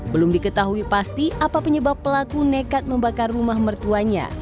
belum diketahui pasti apa penyebab pelaku nekat membakar rumah mertuanya